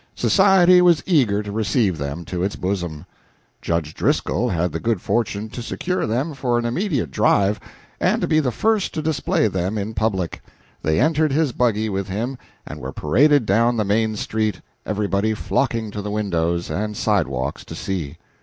Society was eager to receive them to its bosom. Judge Driscoll had the good fortune to secure them for an immediate drive, and to be the first to display them in public. They entered his buggy with him, and were paraded down the main street, everybody flocking to the windows and sidewalks to see.